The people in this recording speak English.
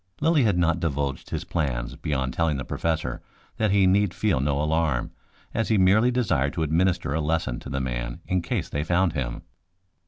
Lilly had not divulged his plans, beyond telling the Professor that he need feel no alarm, as he merely desired to administer a lesson to the man in case they found him.